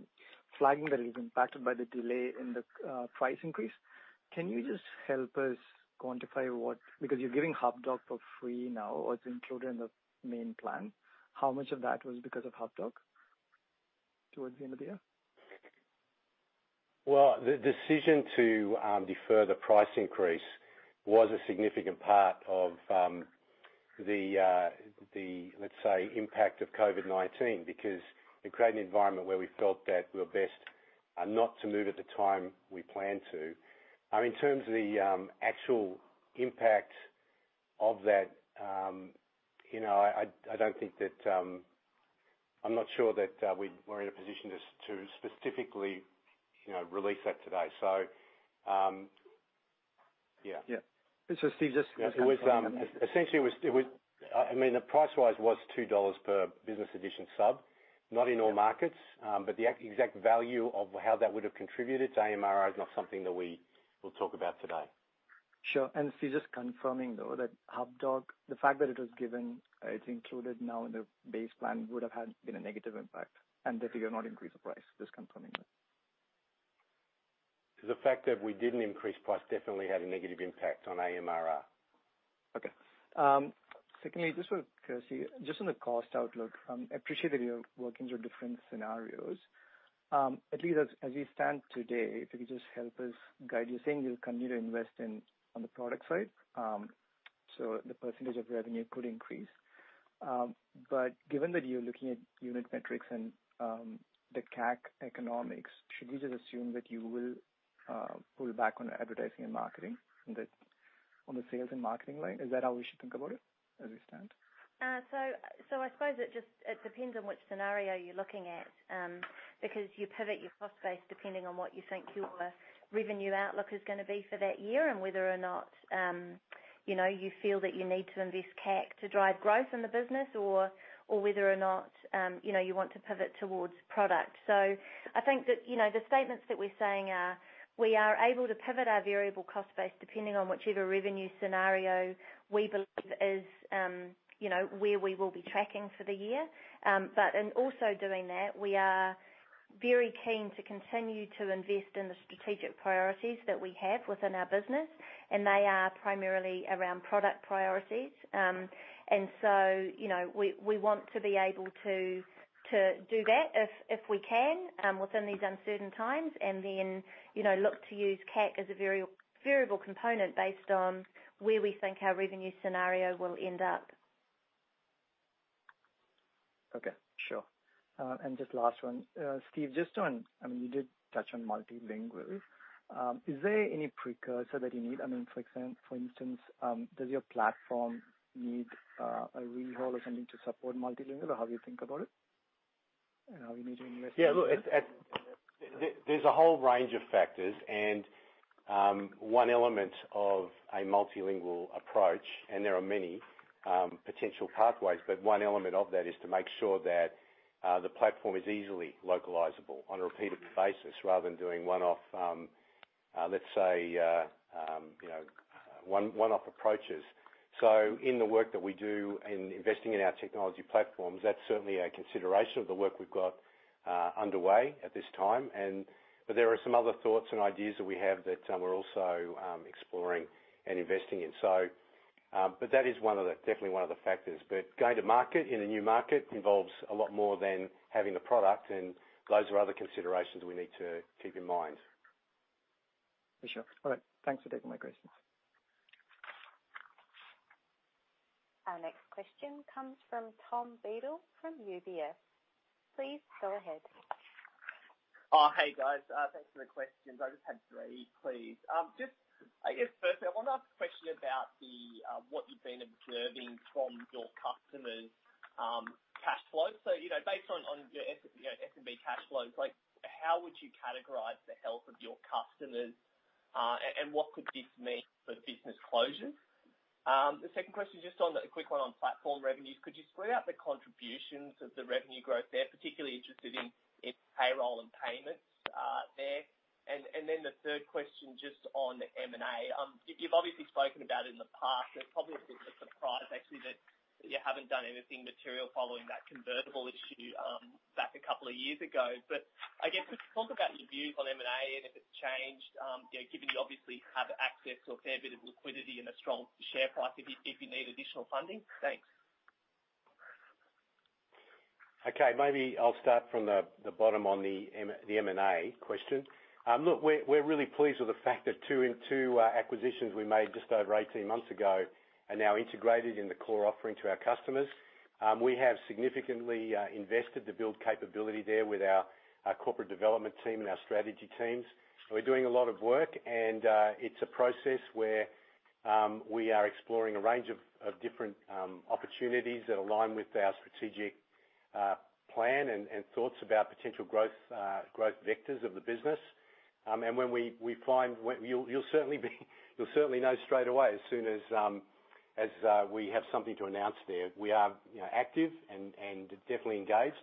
I: flagging that it is impacted by the delay in the price increase. Can you just help us quantify Because you're giving Hubdoc for free now, or it's included in the main plan. How much of that was because of Hubdoc towards the end of the year?
B: The decision to defer the price increase was a significant part of the, let's say, impact of COVID-19 because it created an environment where we felt that we were best not to move at the time we planned to. In terms of the actual impact of that, I'm not sure that we're in a position to specifically release that today. So, yeah.
I: Yeah. Steve,
B: Essentially, the price rise was NZD two per business edition sub, not in all markets. The exact value of how that would have contributed to AMRR is not something that we will talk about today.
I: Sure. Steve, just confirming, though, that Hubdoc, the fact that it was given, it's included now in the base plan, would have had been a negative impact and the figure not increased the price? Just confirming that.
B: The fact that we didn't increase price definitely had a negative impact on AMRR.
I: Okay. Secondly, this is for Kirsty. Just on the cost outlook, I appreciate that you're working through different scenarios. At least as you stand today, if you could just help us guide. You're saying you'll continue to invest on the product side, so the percentage of revenue could increase. Given that you're looking at unit metrics and the CAC economics, should we just assume that you will pull back on advertising and marketing, on the sales and marketing line? Is that how we should think about it as we stand?
C: I suppose it depends on which scenario you're looking at. Because you pivot your cost base depending on what you think your revenue outlook is going to be for that year, and whether or not you feel that you need to invest CAC to drive growth in the business or whether or not you want to pivot towards product. In also doing that, we are very keen to continue to invest in the strategic priorities that we have within our business, and they are primarily around product priorities. We want to be able to do that if we can within these uncertain times, and then look to use CAC as a variable component based on where we think our revenue scenario will end up.
I: Okay. Sure. Just last one. Steve, you did touch on multilingual. Is there any precursor that you need? For instance, does your platform need a rehaul or something to support multilingual? How do you think about it? You need to invest in it?
B: Yeah. Look, there's a whole range of factors. One element of a multilingual approach, and there are many potential pathways, but one element of that is to make sure that the platform is easily localizable on a repeated basis rather than doing one-off approaches. In the work that we do in investing in our technology platforms, that's certainly a consideration of the work we've got underway at this time. There are some other thoughts and ideas that we have that we're also exploring and investing in. That is definitely one of the factors. Going to market in a new market involves a lot more than having the product, and those are other considerations we need to keep in mind.
I: For sure. All right. Thanks for taking my questions.
A: Our next question comes from Tom Beadle from UBS. Please go ahead.
J: Hey, guys. Thanks for the questions. I just had three, please. I guess firstly, I want to ask a question about what you've been observing from your customers' cash flow. Based on your SMB cash flows, how would you categorize the health of your customers? What could this mean for business closures? The second question, just a quick one on platform revenues. Could you split out the contributions of the revenue growth there? Particularly interested in payroll and payments there. The third question, just on the M&A. You've obviously spoken about it in the past, so it's probably of little surprise actually that you haven't done anything material following that convertible issue back a couple of years ago. I guess just talk about your views on M&A and if it's changed, given you obviously have access to a fair bit of liquidity and a strong share price if you need additional funding? Thanks.
B: Okay. Maybe I'll start from the bottom on the M&A question. Look, we're really pleased with the fact that two acquisitions we made just over 18 months ago are now integrated in the core offering to our customers. We have significantly invested to build capability there with our corporate development team and our strategy teams. We're doing a lot of work, and it's a process where we are exploring a range of different opportunities that align with our strategic plan and thoughts about potential growth vectors of the business. When we find, you'll certainly know straight away as soon as we have something to announce there. We are active and definitely engaged.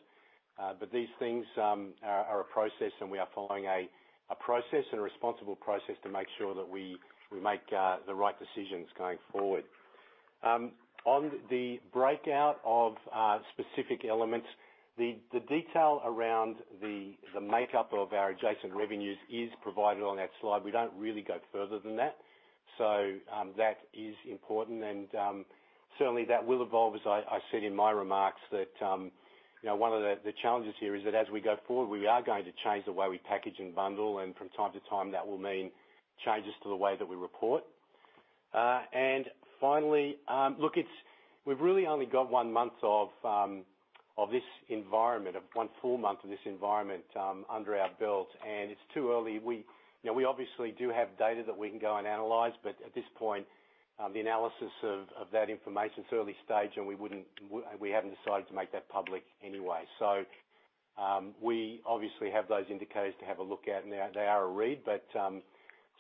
B: These things are a process, and we are following a process and a responsible process to make sure that we make the right decisions going forward. On the breakout of specific elements, the detail around the makeup of our adjacent revenues is provided on that slide. We don't really go further than that. That is important, and certainly that will evolve. As I said in my remarks that one of the challenges here is that as we go forward, we are going to change the way we package and bundle, and from time to time, that will mean changes to the way that we report. Finally, look, we've really only got one month of this environment, one full month of this environment under our belt, and it's too early. We obviously do have data that we can go and analyze, at this point, the analysis of that information's early stage, and we haven't decided to make that public anyway. We obviously have those indicators to have a look at, and they are a read.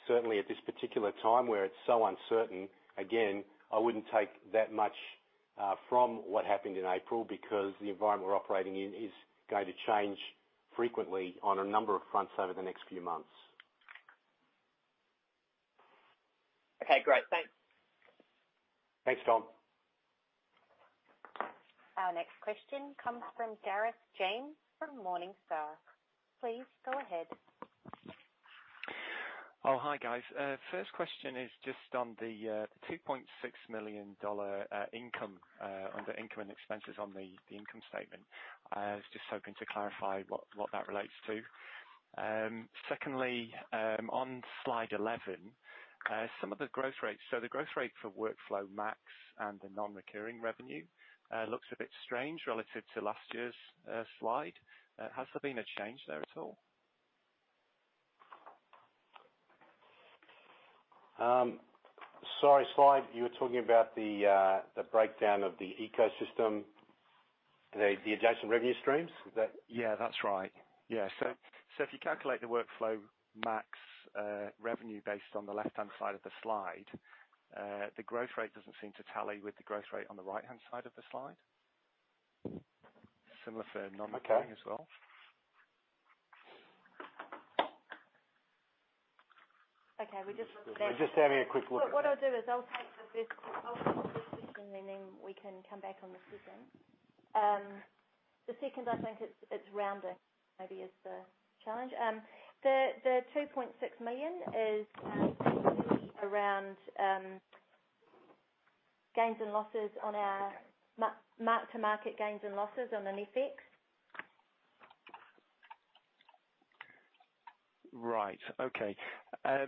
B: Certainly at this particular time, where it's so uncertain, again, I wouldn't take that much from what happened in April because the environment we're operating in is going to change frequently on a number of fronts over the next few months.
J: Okay, great. Thanks.
B: Thanks, Tom.
A: Our next question comes from Gareth James from Morningstar. Please go ahead.
K: Oh, hi, guys. First question is just on the 2.6 million dollar under income and expenses on the income statement. I was just hoping to clarify what that relates to. Secondly, on slide 11, some of the growth rates. The growth rate for WorkflowMax and the non-recurring revenue looks a bit strange relative to last year's slide. Has there been a change there at all?
B: Sorry, slide. You were talking about the breakdown of the ecosystem, the adjacent revenue streams?
K: Yeah, that's right. If you calculate the WorkflowMax revenue based on the left-hand side of the slide, the growth rate doesn't seem to tally with the growth rate on the right-hand side of the slide. Similar for non-recurring as well.
C: Okay.
B: We're just having a quick look at that.
C: What I'll do is I'll take the first question. Then we can come back on the second. The second, I think it's rounding maybe is the challenge. The 2.6 million is around gains and losses on our mark-to-market gains and losses on the FX.
K: Right. Okay. I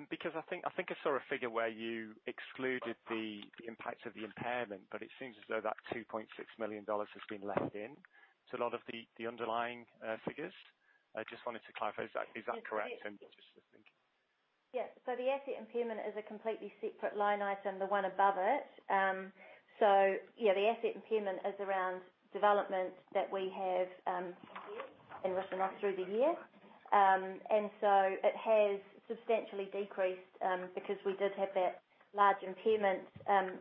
K: think I saw a figure where you excluded the impact of the impairment, but it seems as though that 2.6 million dollars has been left in to a lot of the underlying figures. I just wanted to clarify, is that correct? I'm just thinking.
C: Yes. The asset impairment is a completely separate line item, the one above it. Yeah, the asset impairment is around development that we have and written off through the year. It has substantially decreased because we did have that large impairment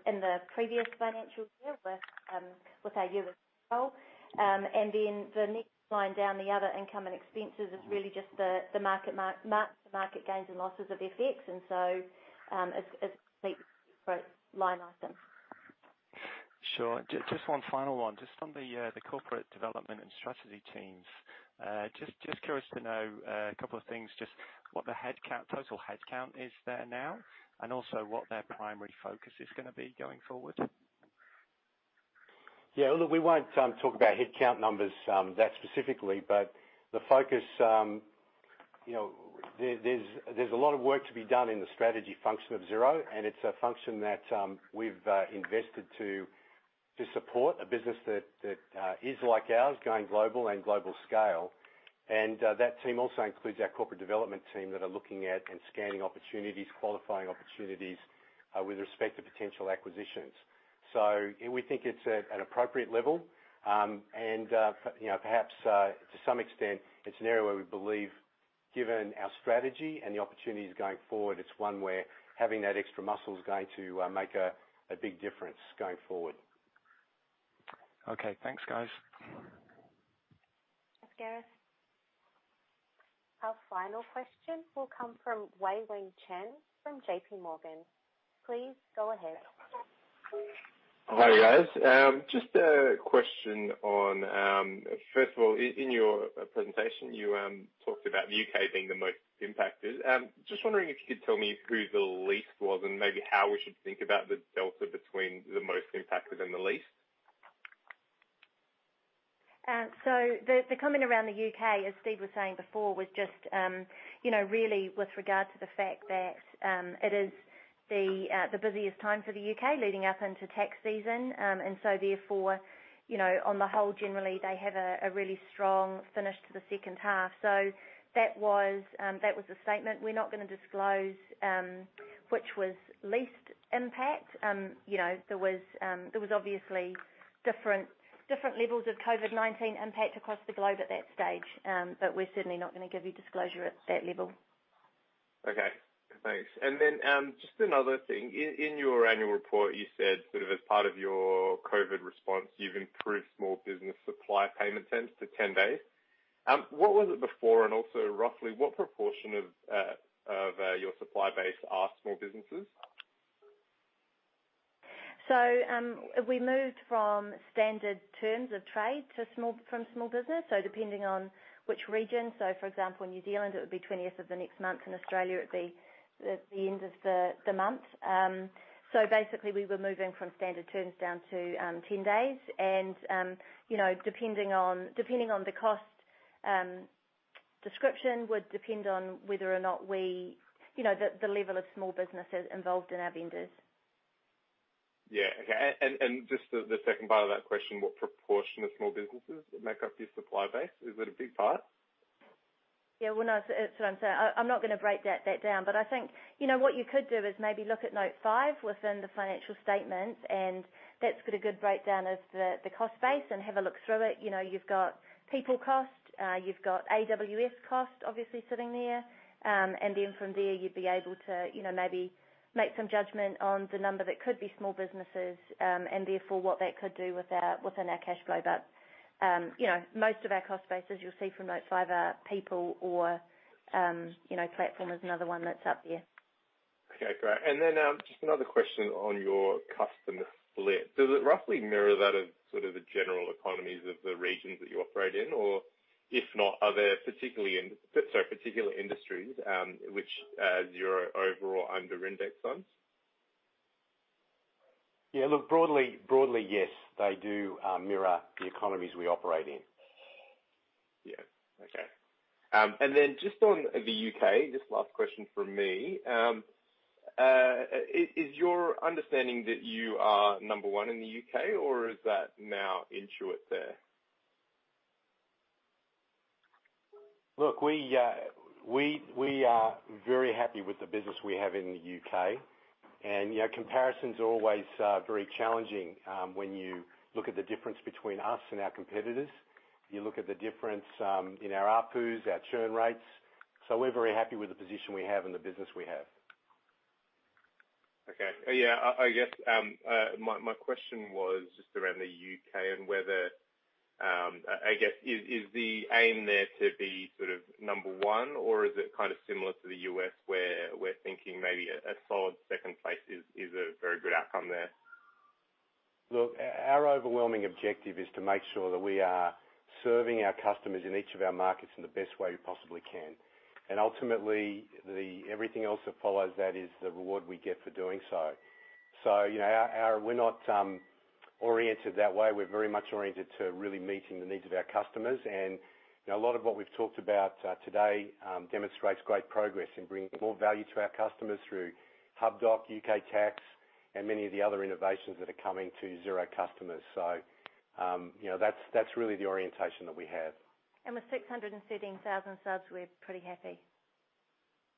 C: in the previous financial year with our U.S. role. The next line down, the other income and expenses is really just the market gains and losses of FX. It's separate line item.
K: Sure. Just one final one. Just on the corporate development and strategy teams, just curious to know a couple of things. Just what the total headcount is there now, and also what their primary focus is going to be going forward?
B: Yeah, look, we won't talk about headcount numbers that specifically, but the focus, there's a lot of work to be done in the strategy function of Xero, and it's a function that we've invested to support a business that is like ours, going global and global scale. That team also includes our corporate development team that are looking at and scanning opportunities, qualifying opportunities with respect to potential acquisitions. We think it's at an appropriate level. Perhaps to some extent, it's an area where we believe, given our strategy and the opportunities going forward, it's one where having that extra muscle is going to make a big difference going forward.
K: Okay, thanks, guys.
A: Thanks, Gareth. Our final question will come from Wei Wei Chen from J.P. Morgan. Please go ahead.
L: Hi, guys. Just a question on, first of all, in your presentation, you talked about the U.K. being the most impacted. Just wondering if you could tell me who the least was and maybe how we should think about the delta between the most impacted and the least?
C: The comment around the U.K., as Steve was saying before, was just really with regard to the fact that it is the busiest time for the U.K. leading up into tax season. Therefore, on the whole, generally, they have a really strong finish to the second half. That was the statement. We're not going to disclose which was least impact. There was obviously different levels of COVID-19 impact across the globe at that stage. We're certainly not going to give you disclosure at that level.
L: Okay, thanks. Just another thing. In your annual report, you said sort of as part of your COVID response, you've improved small business supply payment terms to 10 days. What was it before? Roughly, what proportion of your supply base are small businesses?
C: We moved from standard terms of trade from small business, depending on which region. For example, in New Zealand, it would be the 20th of the next month. In Australia, it'd be the end of the month. Basically, we were moving from standard terms down to 10 days. Depending on the cost description would depend on whether or not we, the level of small businesses involved in our vendors.
L: Yeah, okay. Just the second part of that question, what proportion of small businesses make up your supply base? Is it a big part?
C: Yeah, well, no, that's what I'm saying. I think what you could do is maybe look at note five within the financial statement, and that's got a good breakdown of the cost base and have a look through it. You've got people cost, you've got AWS cost obviously sitting there. From there, you'd be able to maybe make some judgment on the number that could be small businesses and therefore what that could do within our cash flow. Most of our cost base, as you'll see from note five, are people or platform is another one that's up there.
L: Okay, great. Just another question on your customer split. Does it roughly mirror that of sort of the general economies of the regions that you operate in? Or if not, are there particular industries which Xero overall under-index on?
B: Yeah, look, broadly, yes, they do mirror the economies we operate in.
L: Yeah. Okay. Then just on the U.K., just last question from me. Is your understanding that you are number one in the U.K. or is that now Intuit there?
B: Look, we are very happy with the business we have in the U.K. Comparison's always very challenging when you look at the difference between us and our competitors. You look at the difference in our ARPUs, our churn rates. We're very happy with the position we have and the business we have.
L: Okay. Yeah. I guess, my question was just around the U.K. and whether, I guess, is the aim there to be sort of number one, or is it kind of similar to the U.S., where we're thinking maybe a solid second place is a very good outcome there?
B: Our overwhelming objective is to make sure that we are serving our customers in each of our markets in the best way we possibly can. Ultimately, everything else that follows that is the reward we get for doing so. We're not oriented that way. We're very much oriented to really meeting the needs of our customers. A lot of what we've talked about today demonstrates great progress in bringing more value to our customers through Hubdoc, U.K. Tax, and many of the other innovations that are coming to Xero customers. That's really the orientation that we have.
C: With 613,000 subs, we're pretty happy.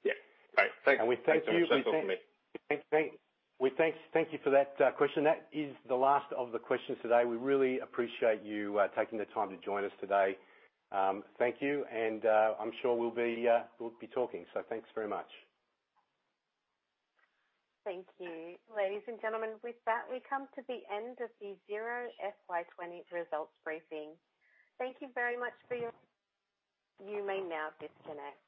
L: Yeah. Great. Thanks.
B: We thank you.
J: Thanks so much, Michael, for me.
B: Thank you for that question. That is the last of the questions today. We really appreciate you taking the time to join us today. Thank you, and I'm sure we'll be talking. Thanks very much.
A: Thank you. Ladies and gentlemen, with that, we come to the end of the Xero FY 2020 results briefing. You may now disconnect.